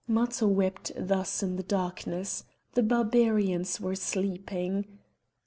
Matho wept thus in the darkness; the Barbarians were sleeping.